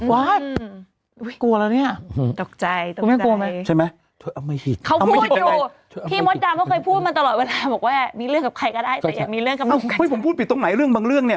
ว๊าวอุ๊ยกลัวแล้วเนี่ย